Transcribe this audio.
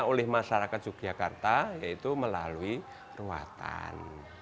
oleh masyarakat yogyakarta yaitu melalui ruatan